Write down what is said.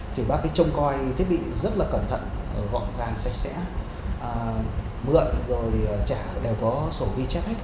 thì bác ấy trông coi thiết bị rất là cẩn thận gọn gàng sạch sẽ mượn rồi trả đều có sổ ghi chép hết